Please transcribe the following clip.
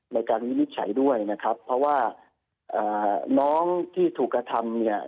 วินิจฉัยด้วยนะครับเพราะว่าน้องที่ถูกกระทำเนี่ย